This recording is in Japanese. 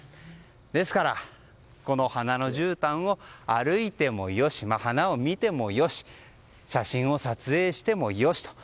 ですから花のじゅうたんを歩いてもよし花を見てもよし写真を撮影してもよし。